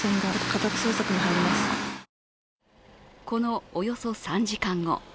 このおよそ３時間後。